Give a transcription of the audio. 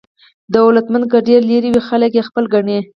دولتمند که ډېر لرې وي، خلک یې خپل ګڼي.